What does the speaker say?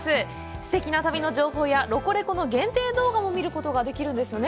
すてきな旅の情報や「ロコレコ！」の限定動画も見ることができるんですよね！